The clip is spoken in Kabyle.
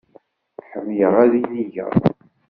Ḥemmleɣ ad inigeɣ.